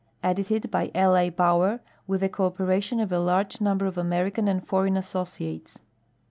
Edited by L. .\. P>auer, witli the Codi)eration of a large Number of American ami Foreign Associates.